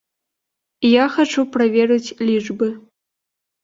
Я хачу праверыць лічбы.